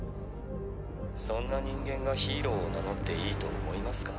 そんな人間がヒーローを名乗っていいと思いますか。